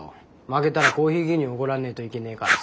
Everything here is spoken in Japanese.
負けたらコーヒー牛乳おごらねえといけねえからさ。